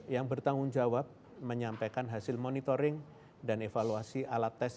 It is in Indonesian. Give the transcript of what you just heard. yang bertanggung jawab menyampaikan hasil monitoring dan evaluasi alat tes